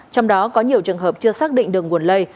trong đó có nhiều trường hợp chưa xác định được nguồn lây